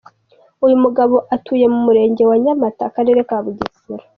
Uyu mugabo atuye mu Murenge wa Nyamata, Akarere ka Bugesera.